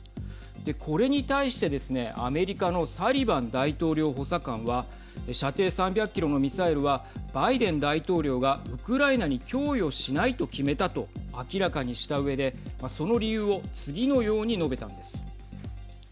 で、これに対してですねアメリカのサリバン大統領補佐官は射程３００キロのミサイルはバイデン大統領がウクライナに供与しないと決めたと明らかにしたうえでその理由を次のように述べたんです。